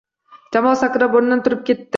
Jamol sakrab o`rnidan turib ketdi